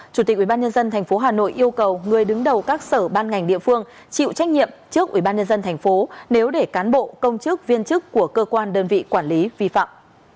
chủ tịch ubnd tp hà nội yêu cầu người đứng đầu các sở ban ngành địa phương chịu trách nhiệm trước ủy ban nhân dân tp nếu để cán bộ công chức viên chức của cơ quan đơn vị quản lý vi phạm